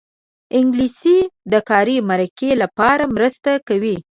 انګلیسي د کاري مرکې لپاره مرسته کوي